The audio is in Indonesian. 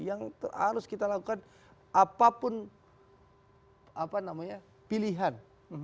yang harus kita lakukan apapun pilihan